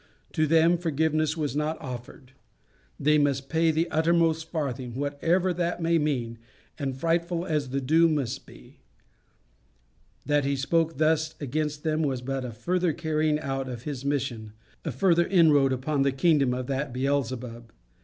To them forgiveness was not offered. They must pay the uttermost farthing whatever that may mean and frightful as the doom must be. That he spoke thus against them was but a further carrying out of his mission, a further inroad upon the kingdom of that Beelzebub.